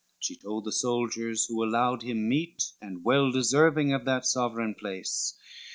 XXXIV She told the soldiers, who allowed him meet And well deserving of that sovereign place.